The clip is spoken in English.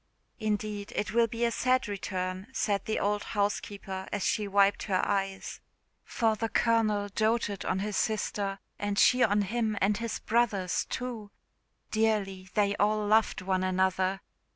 "Indeed it will be a sad return," said the old housekeeper, as she wiped her eyes; "for the Colonel doated on his sister, and she on him, and his brothers too! Dearly they all loved one another.